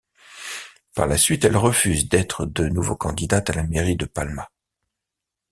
Par la suite, elle refuse d'être de nouveau candidate à la mairie de Palma.